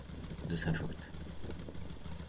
De sa faute.